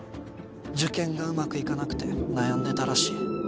受験がうまくいかなくて悩んでたらしい。